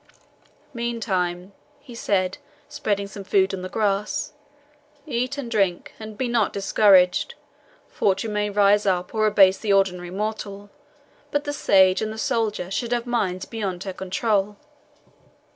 "Meantime," he said, spreading some food on the grass, "eat and drink, and be not discouraged. Fortune may raise up or abase the ordinary mortal, but the sage and the soldier should have minds beyond her control."